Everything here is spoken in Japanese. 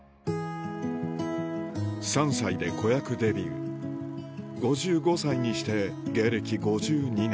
３歳で子役デビュー５５歳にして芸歴５２年